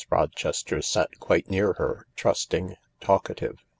Rochester sat quite near her— trusting, talkative.